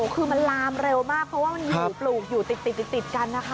คือมันลามเร็วมากเพราะว่ามันอยู่ปลูกอยู่ติดกันนะคะ